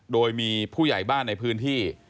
โดยมีผู้ใหญ่บ้านในพื้นที่